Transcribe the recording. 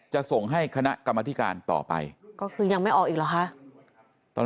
จะส่งให้คณะกรรมธิการต่อไปก็คือยังไม่ออกอีกเหรอคะ